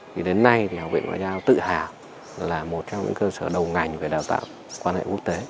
thì đến nay thì học viện ngoại giao tự hào là một trong những cơ sở đầu ngành về đào tạo quan hệ quốc tế